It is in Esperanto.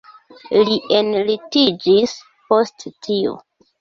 Li enlitiĝis post tio.